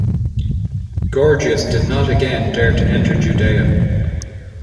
Gorgias did not again dare to enter Judea.